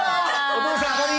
お父さんあがり！